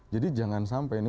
jadi jangan sampai